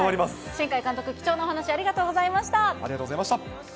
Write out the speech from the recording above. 新海監督、貴重なお話、ありがとうございました。